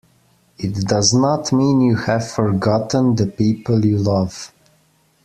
It does not mean you have forgotten the people you love.